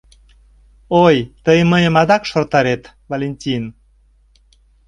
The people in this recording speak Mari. Ой, тый мыйым адак шортарет, Валентин!